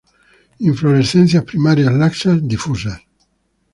Inflorescencias primarias laxas, difusas.